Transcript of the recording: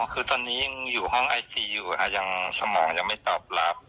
คือตอนนี้ยังอยู่ห้องไอซีอยู่ยังสมองยังไม่ตอบรับ